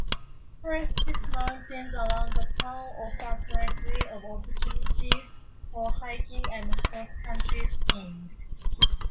Forested mountains around the town offer plenty of opportunities for hiking and cross-country skiing.